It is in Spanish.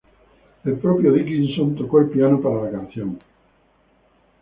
El propio Dickinson tocó el piano para la canción.